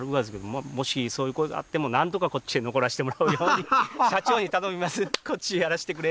もしそういう声があってもなんとかこっちへ残らしてもらうように直談判して。